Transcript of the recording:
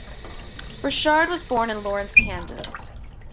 Burchard was born in Lawrence, Kansas.